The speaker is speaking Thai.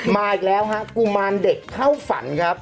มาอีกแล้วฮะกุมารเด็กเข้าฝันครับ